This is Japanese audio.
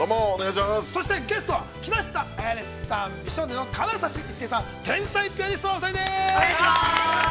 そしてゲストは、木下彩音さん、美少年の金指一世さん、天才ピアニストのお二人です。